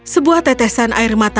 sebuah tetesan air mata